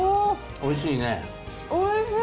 おいしい！